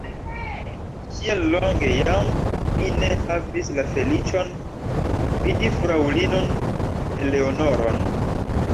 Kiel longe jam mi ne havis la feliĉon vidi fraŭlinon Eleonoron!